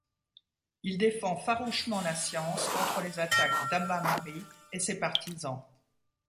Il défend farouchement la science contre les attaques d'Abba Mari et ses partisans.